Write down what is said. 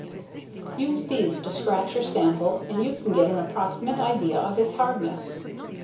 Use these to scratch your sample and you can get an approximate idea of its hardness.